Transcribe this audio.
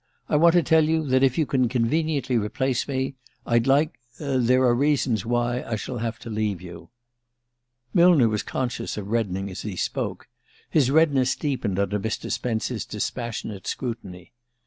I want to tell you that, if you can conveniently replace me, I'd like there are reasons why I shall have to leave you." Millner was conscious of reddening as he spoke. His redness deepened under Mr. Spence's dispassionate scrutiny.